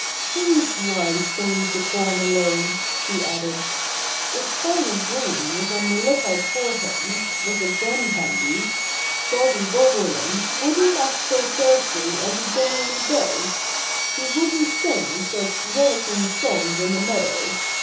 "He's wise to leave the corn alone," he added. "If Farmer Green was on the lookout for him with a gun handy Bobby Bobolink wouldn't act so care free as he generally does. He wouldn't sing such rollicking songs in the meadow.